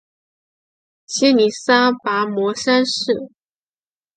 曷利沙跋摩三世。